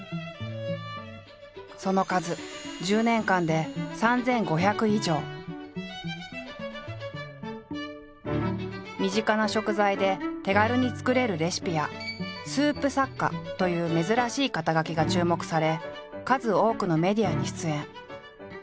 その数身近な食材で手軽に作れるレシピや「スープ作家」という珍しい肩書が注目され数多くのメディアに出演。